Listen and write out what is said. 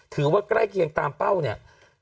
ใกล้เคียงตามเป้าเนี่ย